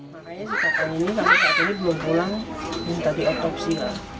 makanya si kakak ini sampai saat ini belum pulang minta diotopsi